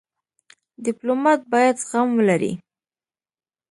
ډيپلومات باید زغم ولري.